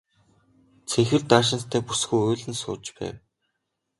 Цэнхэр даашинзтай бүсгүй уйлан сууж байв.